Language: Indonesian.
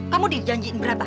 kamu dijanjiin berapa